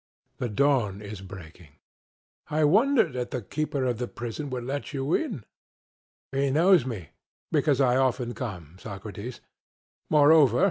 CRITO: The dawn is breaking. SOCRATES: I wonder that the keeper of the prison would let you in. CRITO: He knows me because I often come, Socrates; moreover.